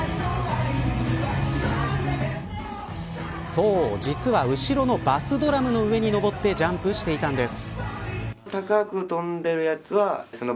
そう、実は、後ろのバスドラムの上にのぼってジャンプしていたんです。